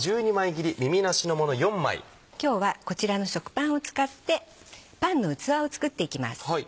今日はこちらの食パンを使ってパンの器を作っていきます。